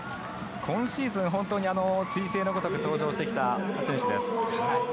今シーズン本当にすい星のごとく登場してきた選手です。